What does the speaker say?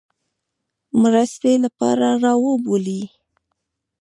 مرستې لپاره را وبولي.